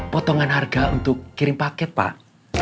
potongan harga untuk kirim paket pak